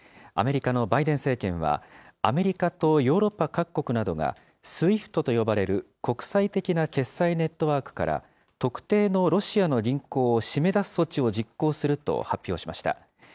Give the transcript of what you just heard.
アメリカのバイデン政権は、アメリカとヨーロッパ各国などが、ＳＷＩＦＴと呼ばれる国際的な決済ネットワークから、特定のロシアの銀行を締め出す措置を実行すると発表しました。